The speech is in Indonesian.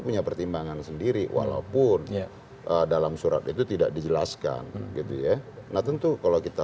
punya pertimbangan sendiri walaupun dalam surat itu tidak dijelaskan gitu ya nah tentu kalau kita